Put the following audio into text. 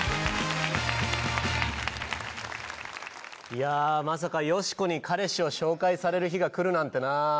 いやまさかヨシコに彼氏を紹介される日が来るなんてな。